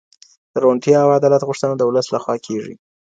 د روڼتیا او عدالت غوښتنه د ولس لخوا کیږي.